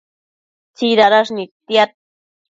tsidadash nidtiad